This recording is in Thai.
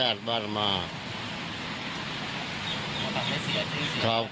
แล้วอยู่นี่ก็เป็นหูเป็นตาให้ตลอดหรอ